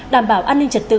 đảm bảo an ninh trật tự